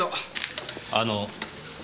あの。